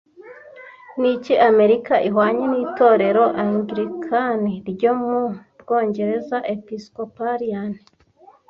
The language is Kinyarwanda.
Niki Amerika ihwanye n'itorero Anglican ryo mu Bwongereza Episcopalian